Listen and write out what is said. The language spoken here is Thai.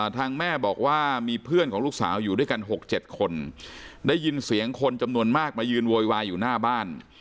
ทางแม่บอกว่ามีเพื่อนของลูกสาวอยู่ด้วยกัน๖๗คนได้ยินเสียงคนจำนวนมากมายืนโวยวายอยู่หน้าบ้าน